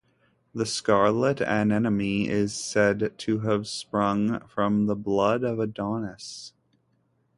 The scarlet anemone is said to have sprung from the blood of Adonis.